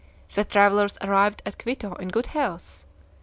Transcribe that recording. The travelers arrived at Quito in good health.